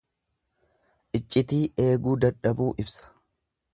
Iccitii eeguu dadhabuu ibsa.